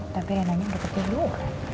tapi renanya udah pergi hidup